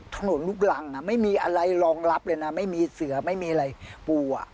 ลูกรังไม่มีอะไรรองรับเลยนะไม่มีเสือไม่มีอะไรปูอ่ะ